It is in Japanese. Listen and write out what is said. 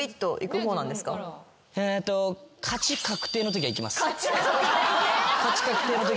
勝ち確定のときはいきますけど。